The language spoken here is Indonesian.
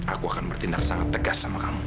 aku akan bertindak sangat tegas sama kamu